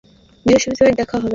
বৃহস্পতিবার দেখা হবে?